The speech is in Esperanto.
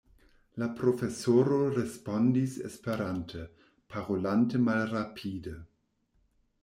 La profesoro respondis Esperante, parolante malrapide: